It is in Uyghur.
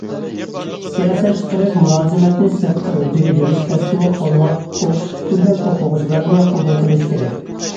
سىياسەت چىقىرىپ مۇلازىمەتنى سىرتقا ھۆددىگە بېرىش كەسپىنى قوللاپ ئوقۇش پۈتتۈرگەن ئوقۇغۇچىلارنى قوبۇل قىلىش كېرەك.